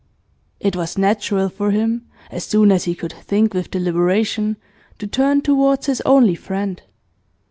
It was natural for him, as soon as he could think with deliberation, to turn towards his only friend.